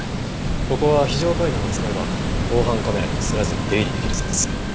ここは非常階段を使えば防犯カメラに映らずに出入りできるそうです。